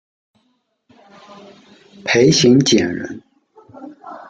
裴行俭人。